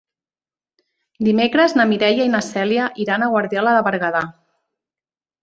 Dimecres na Mireia i na Cèlia iran a Guardiola de Berguedà.